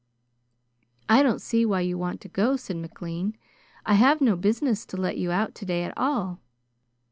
"I don't see why you want to go," said McLean. "I have no business to let you out today at all."